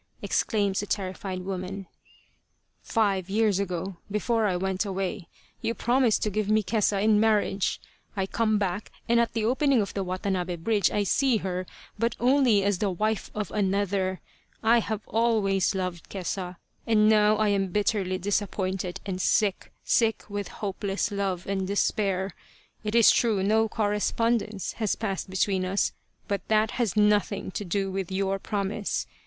exclaims the terrified woman. " Five years ago, before I went away, you promised to give me Kesa in marriage. I come back, and at the opening of the Watanabe bridge I see her, but only as the wife of another. I have always loved Kesa, and now I am bitterly disappointed and sick sick with hopeless love and despair. It is true no correspondence has passed between us, but that has nothing to do with your promise.